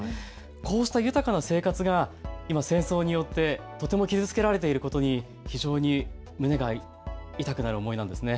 こうした豊かな生活が戦争によってとても傷つけられていることに非常に胸が痛くなる思いなんです。